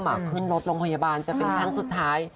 อ่าเครื่องรถโรงพยาบาลจะเป็นครั้งสุดท้าย